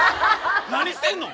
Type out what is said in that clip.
何してんの？